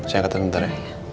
saya angkat bentar ya